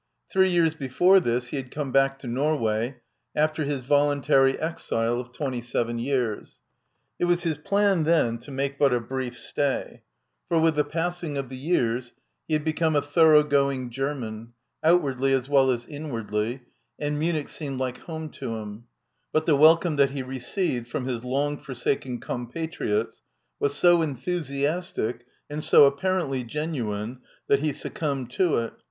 Three years before this he had come back to Nor way, after his voluntary exile of 27 years. It was his plan then to make but a brief stay; for, with the passing of the years, he had become a thorough going German, outwardly as well as inwardly, and Munich seemed like home to him ; but the welcome that he received from his long forsaken compatriots was so enthusiastic and so apparently genuine that he succumbed to it.